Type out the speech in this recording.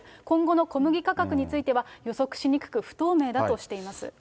今後の小麦価格については、予測しにくく不透明だとしています。